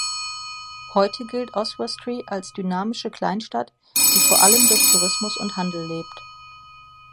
Heute gilt Oswestry als dynamische Kleinstadt, die vor allem durch Tourismus und Handel lebt.